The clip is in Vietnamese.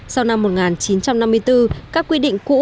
sau năm một nghìn chín trăm năm mươi bốn các quy định cũ